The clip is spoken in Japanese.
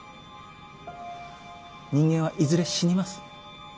人間はいずれ死にます。